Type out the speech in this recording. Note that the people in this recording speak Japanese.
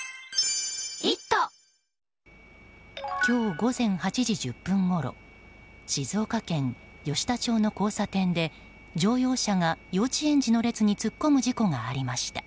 今日午前８時１０分ごろ静岡県吉田町の交差点で乗用車が幼稚園児の列に突っ込む事故がありました。